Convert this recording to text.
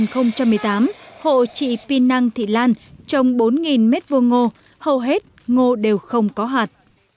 trong năm hai nghìn một mươi tám hộ trị pinang thị lan trồng bốn mét vô ngô hầu hết ngô đều không có hạt